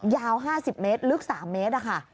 ยาว๕๐เมตรลึก๓เมตรอะค่ะ